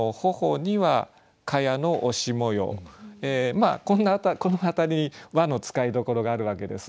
まあこの辺りに「は」の使いどころがあるわけです。